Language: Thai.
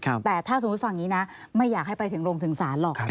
แต่ถ้าสมมุติฟังอย่างนี้นะไม่อยากให้ไปถึงโรงถึงศาลหรอก